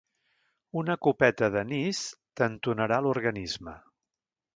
Una copeta d'anís t'entonarà l'organisme.